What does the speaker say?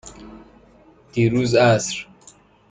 دیروز عصر.